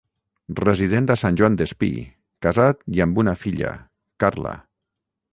Resident a Sant Joan Despí, casat i amb una filla, Carla.